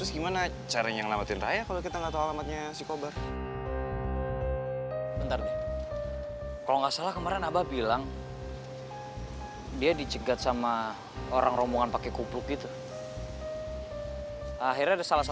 kalau boy sampai kenapa napa